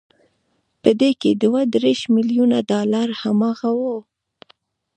په دې کې دوه دېرش ميليونه ډالر هماغه وو.